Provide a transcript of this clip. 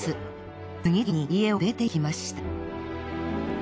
次々に家を出ていきました。